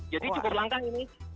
jadi cukup langka ini